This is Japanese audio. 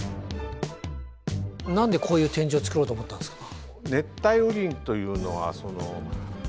何でこういう展示を作ろうと思ったんですか？